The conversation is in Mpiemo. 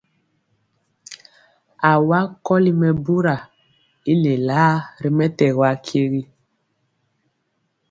Awa kɔli mɛbura i lelaa ri mɛtɛgɔ akyegi.